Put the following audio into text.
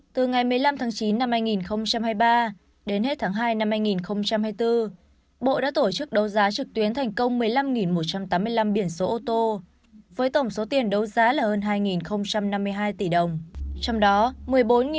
từ ngày một mươi năm tháng chín năm hai nghìn hai mươi ba đến hết tháng hai năm hai nghìn hai mươi bốn bộ đã tổ chức đấu giá trực tuyến thành công một mươi năm một trăm tám mươi năm biển số ô tô với tổng số tiền đấu giá là hơn hai năm mươi hai tỷ đồng